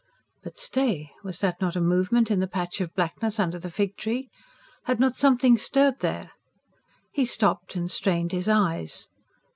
But stay! ... was that not a movement in the patch of blackness under the fig tree? Had not something stirred there? He stopped, and strained his eyes.